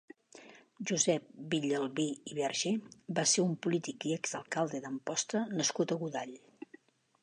Josep Villalbí i Verge va ser un polític i exalcalde d'Amposta nascut a Godall.